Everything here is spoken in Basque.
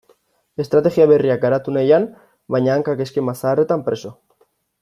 Estrategia berriak garatu nahian, baina hankak eskema zaharretan preso.